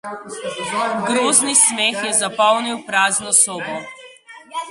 Grozni smeh je zapolnil prazno sobo.